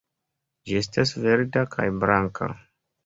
Ĝi estas verda kaj blanka.